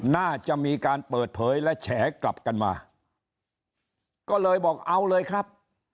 น่าจะมีการเปิดเผยและแฉกลับกันมาก็เลยบอกเอาเลยครับ